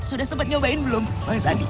sudah sempat nyobain belum bang sandi